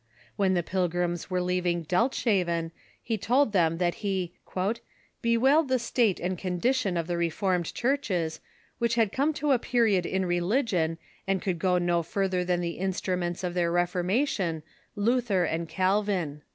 When the Pilgrims were leaving Delftshaven he told them that he " bewailed the state and condition of the Reformed Churches, which had come to a period in religion, and could go no further than the instruments of their reformation, Lu ther and Calvin."